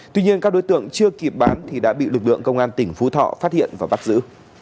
tuy nhiên các đối tượng chưa kịp bán thì đã bị lực lượng công an tỉnh phú thọ phát hiện và bắt giữ